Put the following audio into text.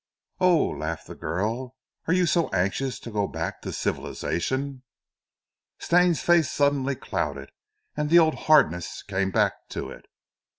"Oh!" laughed the girl, "are you so anxious to go back to civilization?" Stane's face suddenly clouded, and the old hardness came back to it.